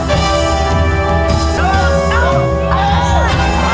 เออ